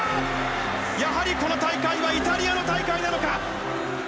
やはりこの大会はイタリアの大会なのか！